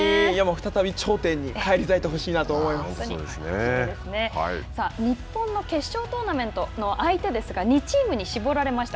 再び頂点に返り咲いてほしいなと日本の決勝トーナメントの相手ですが、２チームに絞られました。